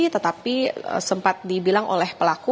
tetapi sempat dibilang oleh pelaku